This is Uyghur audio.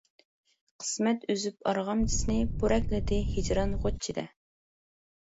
قىسمەت ئۈزۈپ ئارغامچىسىنى، پورەكلىدى ھىجران غۇچچىدە.